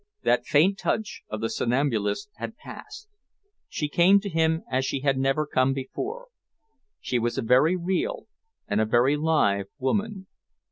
That faint touch of the somnambulist had passed. She came to him as she had never come before. She was a very real and a very live woman.